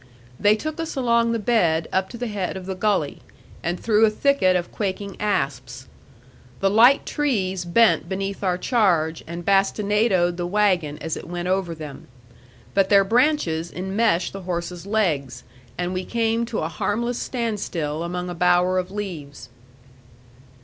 They took us along the bed up to the head of the gully, and through a thicket of quaking asps. The light trees bent beneath our charge and bastinadoed the wagon as it went over them. But their branches enmeshed the horses' legs, and we came to a harmless standstill among a bower of leaves.